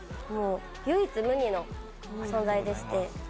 唯一無二の存在でして。